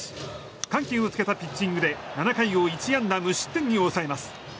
緩急をつけたピッチングで７回を１安打無失点に抑えます。